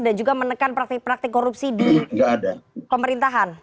dan juga menekan praktik praktik korupsi di pemerintahan